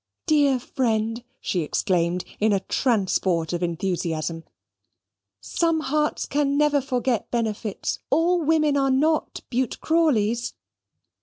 Dear friend," she exclaimed, in a transport of enthusiasm, "some hearts can never forget benefits; all women are not Bute Crawleys!